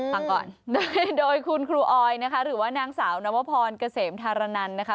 ฟังก่อนโดยคุณครูออยนะคะหรือว่านางสาวนวพรเกษมธารณันนะคะ